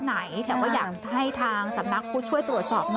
อยู่วัดไหนแถวว่าอยากให้ทางสำนักผู้ช่วยตรวจสอบ